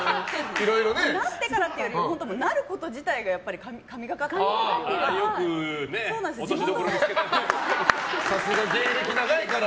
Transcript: なってからというよりなること自体がやっぱり神がかってますから。